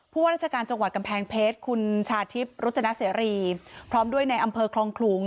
ว่าราชการจังหวัดกำแพงเพชรคุณชาทิพย์รุจนเสรีพร้อมด้วยในอำเภอคลองขลุง